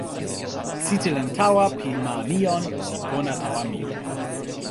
sitelen tawa pi ma Nijon li pona tawa mi.